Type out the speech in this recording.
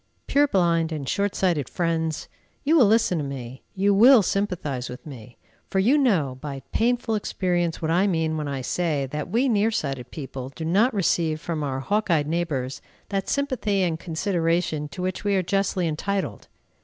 Purblind and short sighted friends! You will listen to me, you will sympathize with me; for you know by painful experience what I mean when I say that we near sighted people do not receive from our hawk eyed neighbors that sympathy and consideration to which we are justly entitled.